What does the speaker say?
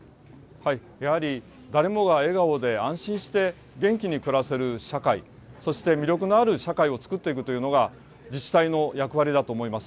やはり誰もが笑顔で安心して、元気に暮らせる社会、そして魅力のある社会を作っていくというのが自治体の役割だと思います。